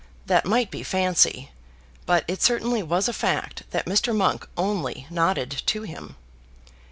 That might be fancy, but it certainly was a fact that Mr. Monk only nodded to him.